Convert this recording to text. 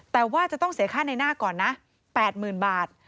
แต่ว่าจะต้องเสียค่าในหน้าก่อนนะ๘๐๐๐บาท